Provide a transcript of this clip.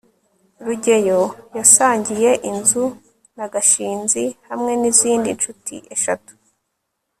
rugeyo yasangiye inzu na gashinzi hamwe nizindi nshuti eshatu